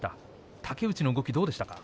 竹内の動きはどうでしたか？